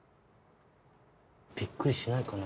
びっくりしないかな？